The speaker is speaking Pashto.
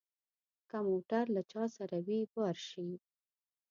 که موټر له چا سره وي بار شي.